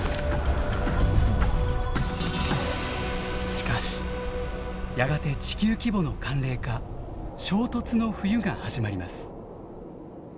しかしやがて地球規模の寒冷化衝突の冬が始まります。